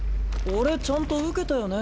俺ちゃんと受けたよね？